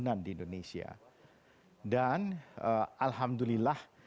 jangan mencoba hakimi lagi